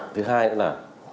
thứ hai là